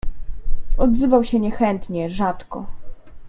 "Odzywał się niechętnie, rzadko."